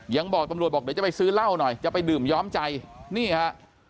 ยังบอกตำรวจบอกเดี๋ยวจะไปซื้อเหล้าหน่อยจะไปดื่มย้อมใจนี่ฮะ